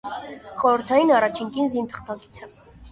Խորհրդային առաջին կին զինթղթակիցը։